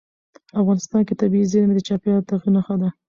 افغانستان کې طبیعي زیرمې د چاپېریال د تغیر نښه ده.